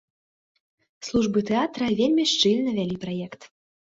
Службы тэатра вельмі шчыльна вялі праект.